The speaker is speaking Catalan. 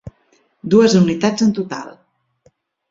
Dues unitats en total.